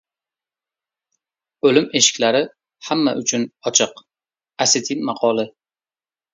O‘lim eshiklari hamma uchun ochiq. Osetin maqoli